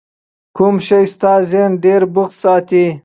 کوم شی ستا ذهن ډېر بوخت ساتي؟